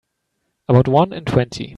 About one in twenty.